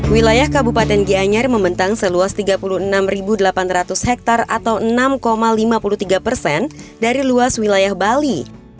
wilayah kabupaten gianyar membentang seluas tiga puluh enam delapan ratus hektare atau enam lima puluh tiga persen dari luas wilayah bali